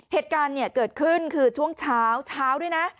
เหตุการณ์เนี่ยเกิดขึ้นคือช่วงเช้าเช้าด้วยนะ